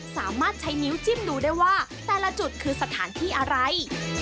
สามารถใช้นิ้วจิ้มดูได้ว่าแต่ละจุดคือสถานที่อะไร